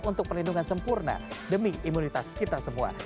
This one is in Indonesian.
untuk perlindungan sempurna demi imunitas kita semua